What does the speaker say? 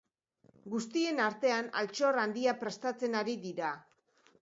Guztien artean, altxor handia prestatzen ari dira.